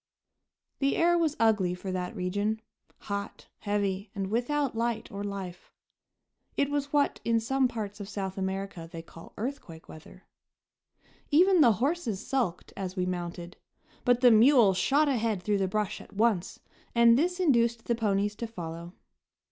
The air was ugly, for that region hot, heavy, and without light or life. It was what in some parts of South America they call "earthquake weather." Even the horses sulked as we mounted; but the mule shot ahead through the brush at once, and this induced the ponies to follow.